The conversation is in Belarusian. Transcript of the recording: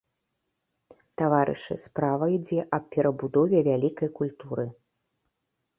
Таварышы, справа ідзе аб перабудове вялікай культуры.